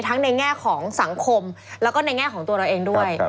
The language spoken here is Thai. ในแง่ของสังคมแล้วก็ในแง่ของตัวเราเองด้วย